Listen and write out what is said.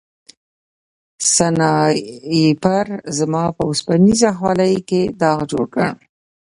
سنایپر زما په اوسپنیزه خولۍ کې داغ جوړ کړ